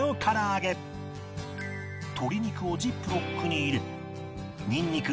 鶏肉をジップロックに入れニンニク